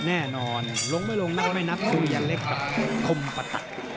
แน่นอนลงไม่ลงนะครับไม่นับสุยันเล็กกับคมปะตัด